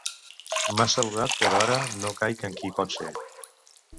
M'ha saludat, però ara no caic en qui pot ser.